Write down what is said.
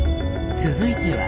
続いては。